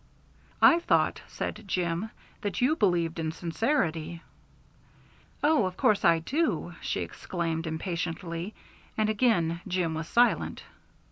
"I thought," said Jim, "that you believed in sincerity." "Oh, of course I do," she exclaimed impatiently, and again Jim was silent.